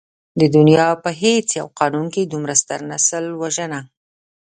د دنيا په هېڅ يو قانون کې دومره ستر نسل وژنه.